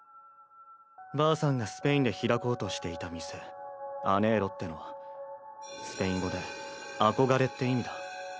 ばあさんがスペインで開こうとしていた店「アネーロ」ってのはスペイン語で「憧れ」って意味だ。